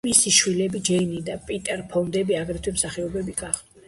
მისი შვილები, ჯეინ და პიტერ ფონდები, აგრეთვე მსახიობები გახდნენ.